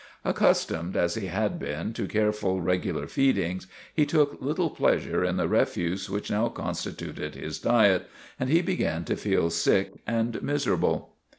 Accustomed, as he had been, to careful, regular feeding, he took little pleas ure in the refuse which now constituted his diet, and he began to feel sick and miserable.